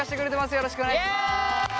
よろしくお願いします！